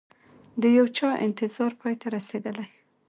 د یوچا انتظار پای ته رسیدلي